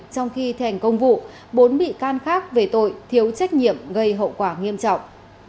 trong khi thành công vụ bốn bị can khác về tội thiếu trách nhiệm gây hậu quả nghiêm trọng